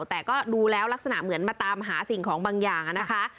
แต่ก็ดูแล้วลักษณะเหมือนมาตามหาสิ่งของบางอย่างนะคะ